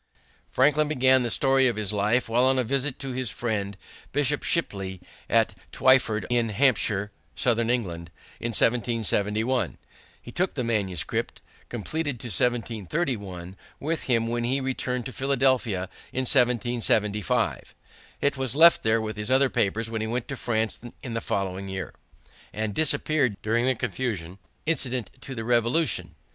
Franklin began the story of his life while on a visit to his friend, Bishop Shipley, at Twyford, in Hampshire, southern England, in 1771. He took the manuscript, completed to 1731, with him when he returned to Philadelphia in 1775. It was left there with his other papers when he went to France in the following year, and disappeared during the confusion incident to the Revolution.